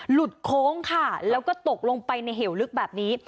โค้งค่ะแล้วก็ตกลงไปในเหวลึกแบบนี้